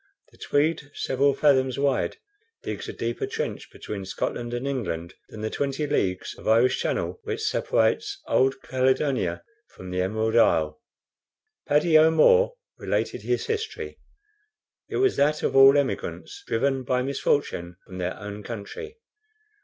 The Tweed, several fathoms wide, digs a deeper trench between Scotland and England than the twenty leagues of Irish Channel, which separates Old Caledonia from the Emerald Isle. Paddy O'Moore related his history. It was that of all emigrants driven by misfortune from their own country.